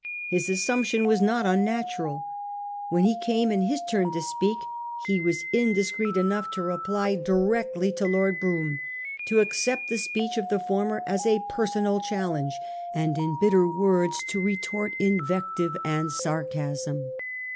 His assumption was not unnatural. When he came in his turn to speak, he was indiscreet enough to reply 1838. DUKIIAM THROWN OVER BY GOVERNMENT. 75 directly to Lord Brougham, to accept the speech of the former as a personal challenge, and in hitter words to retort invective and sarcasm.